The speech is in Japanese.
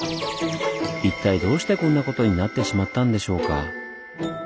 一体どうしてこんなことになってしまったんでしょうか？